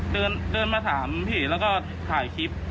เดินมาถามพี่แล้วก็ถ่ายคลิป